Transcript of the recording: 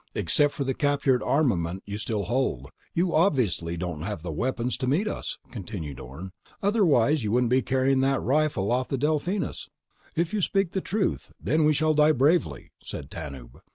"Except for the captured armament you still hold, you obviously don't have the weapons to meet us," continued Orne. "Otherwise, you wouldn't be carrying that rifle off the Delphinus." "If you speak the truth, then we shall die bravely," said Tanub.